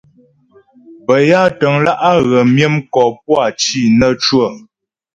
Bə́ bâ ya təŋlǎ' á ghə myə mkɔ puá cì nə́ cwə.